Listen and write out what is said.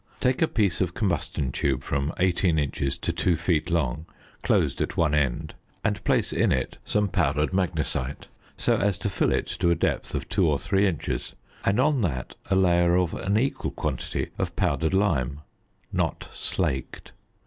Take a piece of combustion tube from 18 inches to 2 feet long, closed at one end, and place in it some powdered magnesite, so as to fill it to a depth of 2 or 3 inches, and on that a layer of an equal quantity of powdered lime (not slaked).